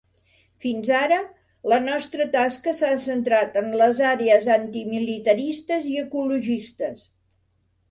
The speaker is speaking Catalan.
Fins ara, la nostra tasca s'ha centrat en les àrees antimilitaristes i ecologistes.